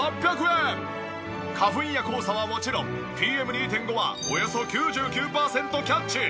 花粉や黄砂はもちろんＰＭ２．５はおよそ９９パーセントキャッチ。